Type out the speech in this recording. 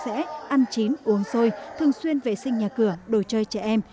sẽ ăn chín uống xôi thường xuyên vệ sinh nhà cửa đồ chơi trẻ em